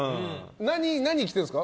何着てるんですか？